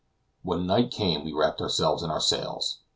When night came we wrapped ourselves in our sails.